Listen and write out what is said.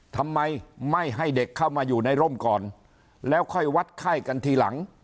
ทำไมไม่ให้เด็กเข้ามาอยู่ในร่มก่อนแล้วค่อยวัดไข้กันทีหลัง